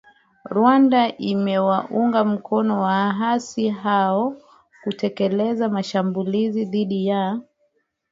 Rwanda inawaunga mkono waasi hao kutekeleza mashambulizi dhidi ya